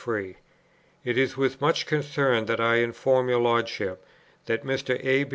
It is with much concern that I inform your Lordship, that Mr. A.